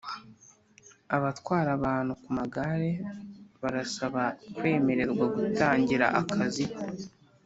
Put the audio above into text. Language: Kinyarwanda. Abatwara abantu kumagare barasaba kwemererwa gutangira akazi